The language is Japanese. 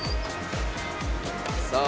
さあ。